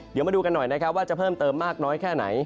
เดี๋ยวมาดูกันหน่อยนะครับว่าจะเพิ่มเติมมากน้อยแค่ไหน